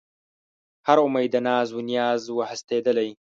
هر اُمید د ناز و نیاز و هستېدلی